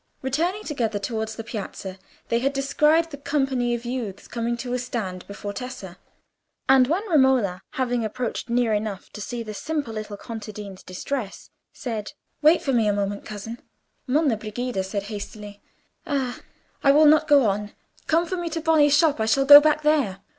Returning together towards the Piazza, they had descried the company of youths coming to a stand before Tessa, and when Romola, having approached near enough to see the simple little contadina's distress, said, "Wait for me a moment, cousin," Monna Brigida said hastily, "Ah, I will not go on: come for me to Boni's shop,—I shall go back there."